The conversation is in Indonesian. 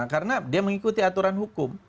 karena dia mengikuti aturan hukum